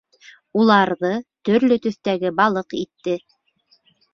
Уларҙы төрлө төҫтәге балыҡ итте.